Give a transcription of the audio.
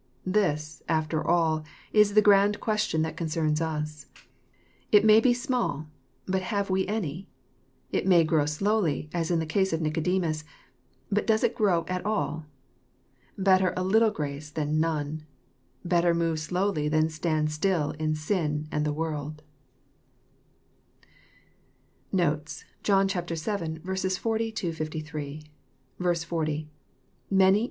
This, after all, is the grand question that concerns us. It may be small, — ^but have we any ? It may grow slowly, as in the case of Nicodemus, — ^but does it grow at all? Better a little grace than none I Better move slowly than stand still in sin and the world I Notes. John VII. 40—63. 40. — IMany...